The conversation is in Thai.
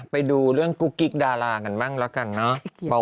ไปดูเรื่องกุ๊กกิ๊กดารากันบ้างแล้วกันเนอะ